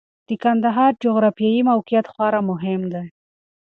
د کندهار جغرافیايي موقعیت خورا مهم دی.